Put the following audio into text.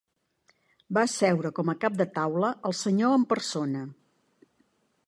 Va asseure com a cap de taula, el senyor en persona